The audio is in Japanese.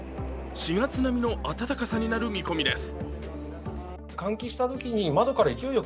４月並みの暖かさになる見込みです